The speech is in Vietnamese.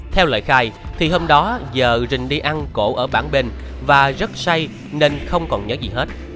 theo lời khai thì hôm đó giờ rình đi ăn cổ ở bản bên và rất xay nên không còn nhớ gì hết